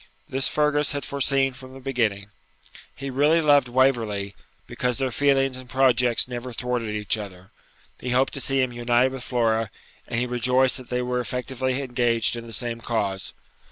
This Fergus had foreseen from the beginning. He really loved Waverley, because their feelings and projects never thwarted each other; he hoped to see him united with Flora, and he rejoiced that they were effectually engaged in the same cause.